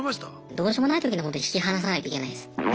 どうしようもない時にはホント引き離さないといけないです。